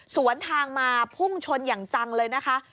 สวนทางมาพุ่งชนอย่างจังเลยนะคะ